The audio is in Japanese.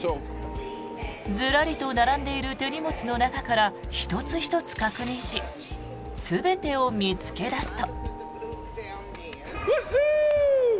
ずらりと並んでいる手荷物の中から１つ１つ確認し全てを見つけ出すと。